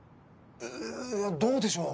ええどうでしょう。